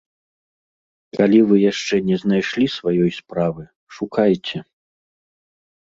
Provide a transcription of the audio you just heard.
Калі вы яшчэ не знайшлі сваёй справы, шукайце.